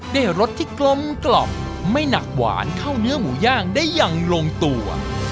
รสที่กลมกล่อมไม่หนักหวานเข้าเนื้อหมูย่างได้อย่างลงตัว